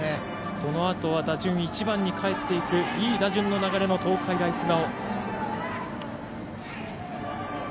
このあとは打順１番にかえっていくいい打順の流れの東海大菅生。